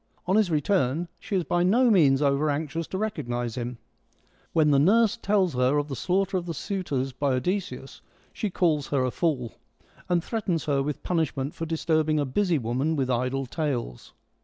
On his return she is by no means over anxious to recognise him. When the nurse io FEMINISM IN GREEK LITERATURE tells her of the slaughter of the suitors by Odysseus she calls her a fool, and threatens her with punish ment for disturbing a busy woman with idle tales.